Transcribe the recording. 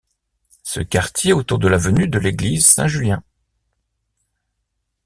Ce quartier autour de l’avenue de l'Église Saint-Julien.